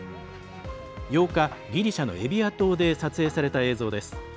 ８日、ギリシャのエビア島で撮影された映像です。